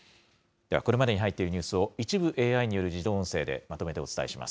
では、これまでに入っているニュースを一部ＡＩによる自動音声でまとめてお伝えします。